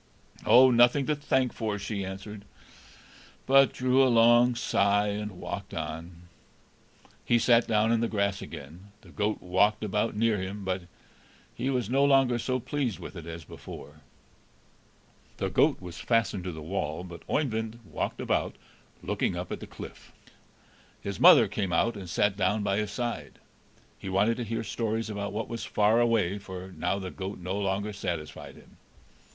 "Oh, nothing to thank for!" she answered, but drew a long sigh, and walked on. He sat down on the grass again. The goat walked about near him, but he was no longer so pleased with it as before. The goat was fastened to the wall; but Oeyvind walked about, looking up at the cliff. His mother came out and sat down by his side; he wanted to hear stories about what was far away, for now the goat no longer satisfied him.